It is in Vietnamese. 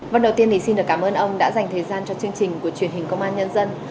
vâng đầu tiên thì xin được cảm ơn ông đã dành thời gian cho chương trình của truyền hình công an nhân dân